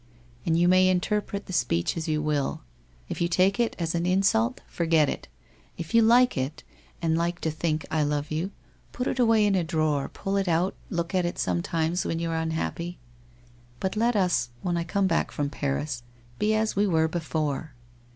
And you may interpret the speech a3 you will. If you take it as an insult, forget it; if you like it, and like to think I love you, put it away in a drawer, pull it out, look at it sometimes when you are unhappy, but let irhen I come back from Paris, be as we were before.